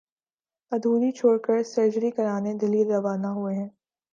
ادھوری چھوڑ کر سرجری کرانے دہلی روانہ ہوئے ہیں